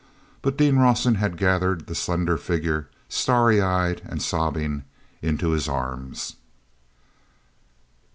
'" But Dean Rawson had gathered the slender figure, starry eyed and sobbing into his arms.